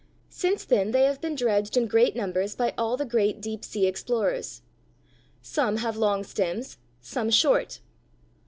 Since then they have been dredged in great numbers by all the great deep sea explorers. Some have long stems, some short.